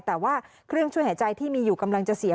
แต่ว่าเครื่องช่วยหายใจที่มีอยู่กำลังจะเสีย